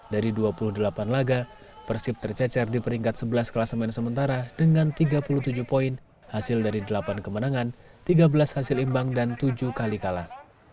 dari dua puluh delapan laga persib tercecer di peringkat sebelas kelas main sementara dengan tiga puluh tujuh poin hasil dari delapan kemenangan tiga belas hasil imbang dan tujuh kali kalah